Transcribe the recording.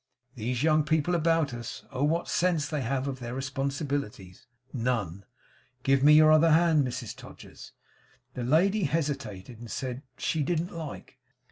'These young people about us. Oh! what sense have they of their responsibilities? None. Give me your other hand, Mrs Todgers.' The lady hesitated, and said 'she didn't like.